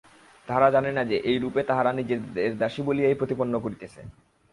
তাহারা জানে না যে, এইরূপে তাহারা নিজেদের দাসী বলিয়াই প্রতিপন্ন করিতেছে।